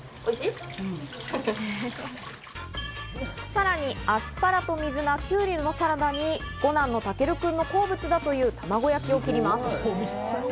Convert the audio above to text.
さらにアスパラと水菜、きゅうりのサラダに五男の尊くんの好物だという卵焼きを切ります。